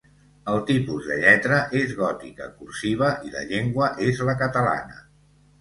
El tipus de lletra és gòtica cursiva i la llengua és la catalana.